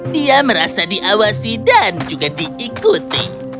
dia merasa diawasi dan juga diikuti